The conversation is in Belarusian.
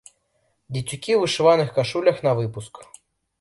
Дзецюкі ў вышываных кашулях навыпуск.